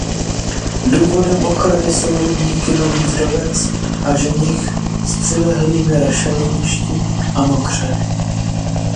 Důvodem ochrany jsou rybníky Nový Vdovec a Ženich s přilehlými rašeliništi a mokřady.